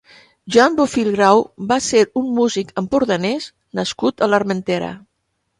Joan Bofill Grau va ser un músic empordanès nascut a l'Armentera.